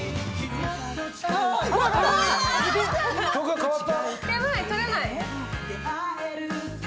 曲が変わった！